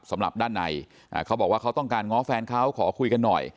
สำหรับด้านในเขาบอกว่าเขาต้องการง้อแฟนเขาขอคุยกันหน่อย